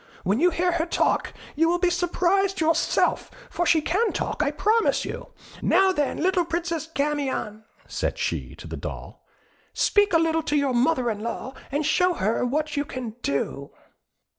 When you hear her talk, you will be surprised yourself; for she can talk, I promise you. Now, then, little Princess Camion," said she, to the doll, "speak a little to your mother in law, and show her what you can do."